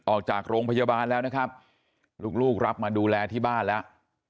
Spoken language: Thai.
ออกจากโรงพยาบาลแล้วนะครับลูกรับมาดูแลที่บ้านแล้ว